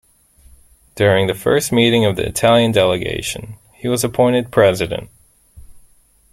During the first meeting of the Italian delegation he was appointed President.